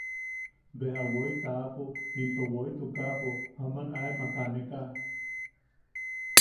Beja woi taʼapo into woi tukapo aman aemak aneka.